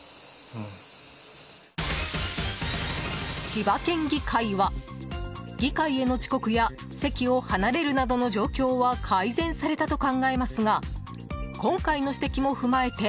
千葉県議会は、議会への遅刻や席を離れるなどの状況は改善されたと考えますが今回の指摘も踏まえて